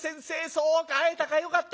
そうか会えたかよかった。